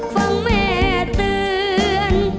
ฟังแม่เตือน